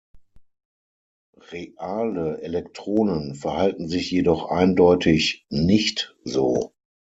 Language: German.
Reale Elektronen verhalten sich jedoch eindeutig nicht so.